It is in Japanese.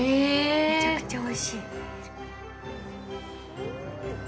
めちゃくちゃおいしい。